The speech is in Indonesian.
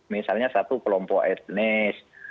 misalnya satu kelompok etnis